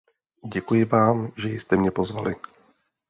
Děkuji vám, že jste mě pozvali.